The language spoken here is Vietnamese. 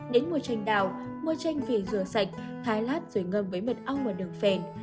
đến mùa chanh đào mua chanh về rửa sạch thái lát rồi ngâm với mật ong vào đường phèn